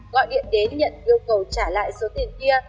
gọi điện đến nhận yêu cầu trả lại số tiền kia